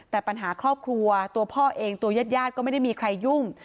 แต่ปัญหาครอบครัวตัวพ่อเองตัวยาดก็ไม่ได้มีใครยุ่ง